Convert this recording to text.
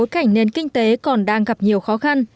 cảnh nền kinh tế còn đang gặp nhiều khó khăn